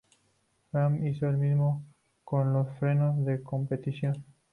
Brembo hizo lo mismo con los frenos de competición.